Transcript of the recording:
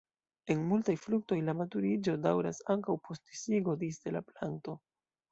En multaj fruktoj la maturiĝo daŭras ankaŭ post disigo disde la planto.